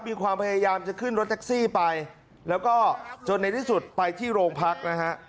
มีความพยายามจะขึ้นรถแท็กซี่ไปแล้วก็จนในที่สุดไปที่โรงพักนะฮะ